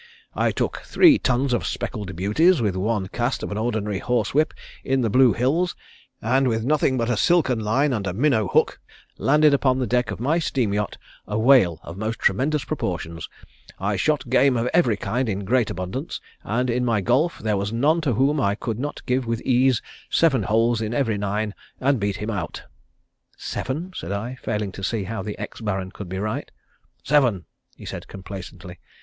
I took three tons of speckled beauties with one cast of an ordinary horse whip in the Blue Hills, and with nothing but a silken line and a minnow hook landed upon the deck of my steam yacht a whale of most tremendous proportions; I shot game of every kind in great abundance and in my golf there was none to whom I could not give with ease seven holes in every nine and beat him out." "Seven?" said I, failing to see how the ex Baron could be right. "Seven," said he complacently.